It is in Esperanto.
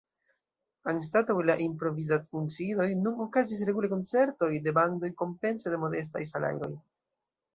Anstataŭ la improvizad-kunsidoj nun okazis regule koncertoj de bandoj kompense de modestaj salajroj.